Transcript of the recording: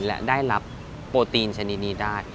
และได้รับโปรตีนชนิดนี้ได้